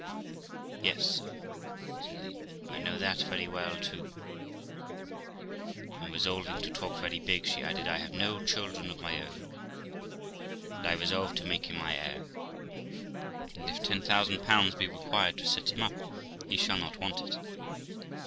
' 'Yes, sir', says Amy, 'I know that very well too'; and, resolving to talk very big, she added, 'I have no children of my own, and I resolve to make him my heir, and if 10,000 be required to set him up, he shall not want it.